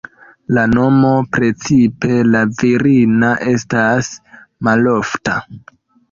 La nomo, precipe la virina estas malofta.